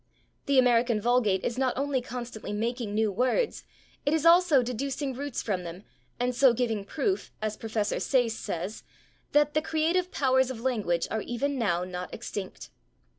The American vulgate is not only constantly making new words, it is also deducing roots from them, and so giving proof, as Prof. Sayce says, that "the creative powers of language are even now not extinct."